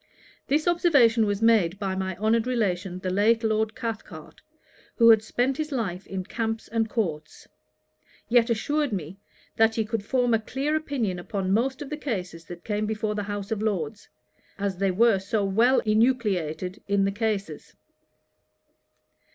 This observation was made by my honoured relation the late Lord Cathcart, who had spent his life in camps and courts; yet assured me, that he could form a clear opinion upon most of the causes that came before the House of Lords, 'as they were so well enucleated in the Cases.'